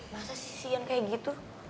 masa sih siang kayak gitu